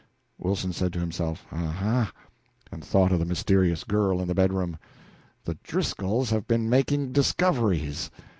Wilson said to himself, "Aha!" and thought of the mysterious girl in the bedroom. "The Driscolls have been making discoveries!"